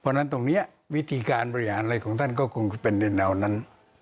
เพราะงั้นตรงเนี้ยวิธีการบริหารไรของท่านก็คงเป็นยังไหนกัน